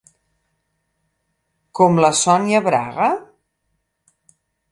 Com la Sonia Braga?